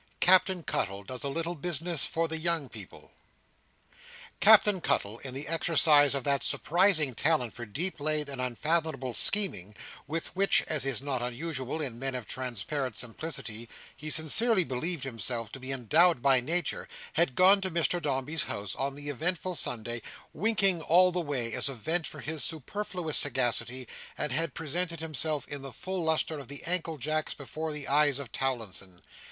Captain Cuttle does a little Business for the Young People Captain Cuttle, in the exercise of that surprising talent for deep laid and unfathomable scheming, with which (as is not unusual in men of transparent simplicity) he sincerely believed himself to be endowed by nature, had gone to Mr Dombey's house on the eventful Sunday, winking all the way as a vent for his superfluous sagacity, and had presented himself in the full lustre of the ankle jacks before the eyes of Towlinson.